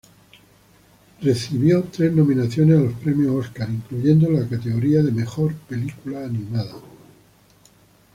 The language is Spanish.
Recibió tres nominaciones a los premios Óscar, incluyendo la categoría de Mejor película animada.